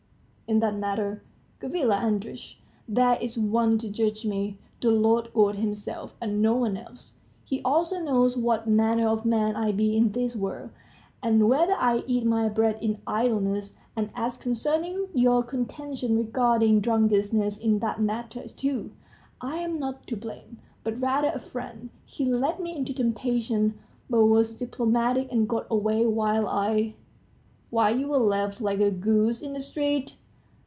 "In that matter, Gavrila Andreitch, there is One to judge me, the Lord God Himself, and no one else. He also knows what manner of man I be in this world, and whether I eat my bread in idleness. And as concerning your contention regarding drunkenness, in that matter, too, I am not to blame, but rather a friend; he led me into temptation, but was diplomatic and got away, while I ..." "While you were left like a goose, in the street.